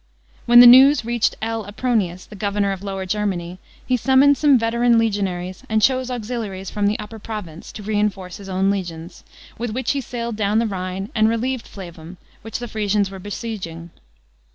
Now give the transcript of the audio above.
When the news reached L. Apronius, the governor of Lower Germany, he summoned some veteran legionaries and chosen auxiliaries from the upper province, to reinforce his own legions, with which he sailed down the Rhine, and relieved Flevum, which the Frisians were besieging.